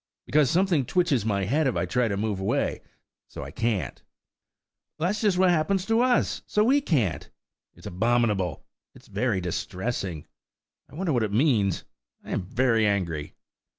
"Because something twitches my head if I try to move away; so I can't." "That's just what happens to us; so we can't." "It's abominable!" "It's very distressing." "I wonder what it means! I am very angry."